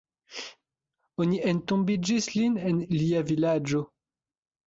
Oni entombigis lin en lia vilaĝo.